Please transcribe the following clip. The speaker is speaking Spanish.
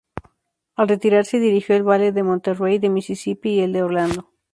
Al retirarse dirigió el Ballet de Monterrey, de Mississippi y el de Orlando.